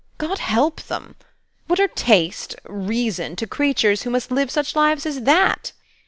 God help them! What are taste, reason, to creatures who must live such lives as that?"